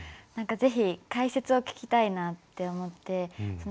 ぜひ解説を聞きたいなって思って。